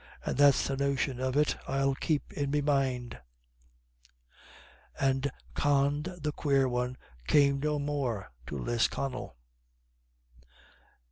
And that's the notion of it I'll keep in me mind." And Con the Quare One came no more to Lisconnel.